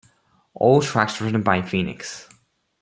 All tracks written by Phoenix.